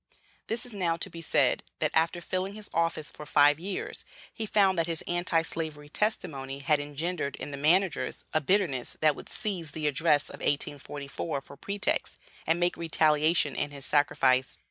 This is now to be said: that, after filling his office for five years, he found that his Anti slavery testimony had engendered in the managers a bitterness that would seize the address of 1844 for pretext, and make retaliation in his sacrifice.